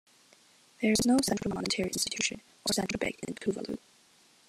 There is no central monetary institution or central bank in Tuvalu.